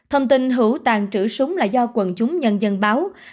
hữu tàn trữ súng là do quần chúng nhân dân báo